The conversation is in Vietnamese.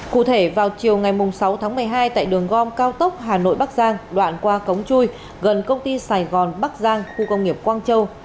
cụ thể vào chiều ngày sáu tháng một mươi hai tại đường gom cao tốc hà nội bắc giang đoạn qua cống chui gần công ty sài gòn bắc giang khu công nghiệp quang châu